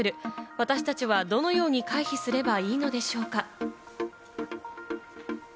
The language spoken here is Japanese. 私達はどのように回避すればいいのでしょうか？